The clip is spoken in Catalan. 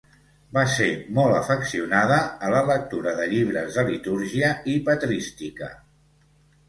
Va ser molt afeccionada a la lectura de llibres de litúrgia i patrística.